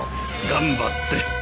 頑張って。